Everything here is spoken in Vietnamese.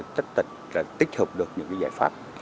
chắc chắn là tích hợp được những giải pháp